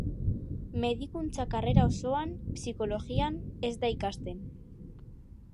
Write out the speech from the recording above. Medikuntza karrera osoan, psikologian, ez da ikasten.